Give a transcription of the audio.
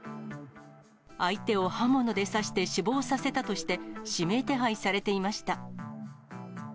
相手を刃物で刺して死亡させたとして、指名手配されていました。